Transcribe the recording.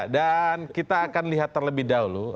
dan kita akan lihat terlebih dahulu